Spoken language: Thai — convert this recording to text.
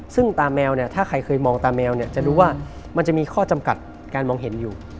ซึ่งตาแมวเนี่ยถ้าใครเคยมองตาแมวเนี่ยจะรู้ว่ามันจะมีข้อจำกัดการมองเห็นอยู่